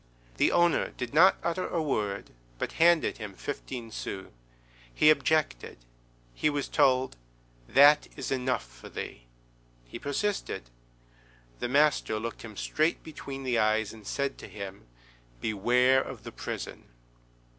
The owner did not utter a word, but handed him fifteen sous. He objected. He was told, "That is enough for thee." He persisted. The master looked him straight between the eyes, and said to him _"Beware of the prison."